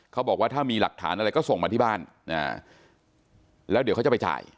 เขาบอกว่าถ้ามีหลักฐานอะไรก็ส่งมาที่บ้านแล้วเดี๋ยวเขาจะไปจ่าย